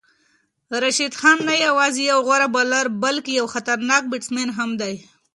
راشد خان نه یوازې یو غوره بالر بلکې یو خطرناک بیټر هم دی.